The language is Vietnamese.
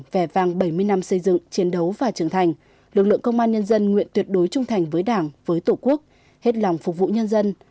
vẻ vàng bảy mươi năm xây dựng chiến đấu và trưởng thành lực lượng công an nhân dân nguyện tuyệt đối trung thành với đảng với tổ quốc hết lòng phục vụ nhân dân